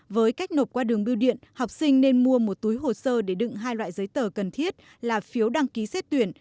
với cách nộp qua đường biêu điện học sinh nên mua một túi hồ sơ để đựng hai loại giấy tờ cần thiết là phiếu đăng ký xét tuyển